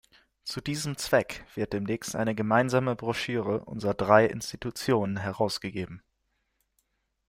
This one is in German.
Zu diesem Zweck wird demnächst eine gemeinsame Broschüre unserer drei Institutionen herausgegeben.